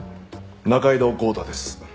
仲井戸豪太です。